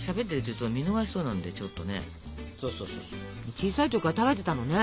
小さい時から食べてたのね？